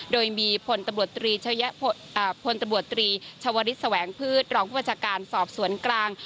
โดยมีพพทชศแสวงพืชพยศสกลาง